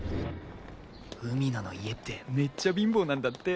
海野の家ってめっちゃ貧乏なんだって。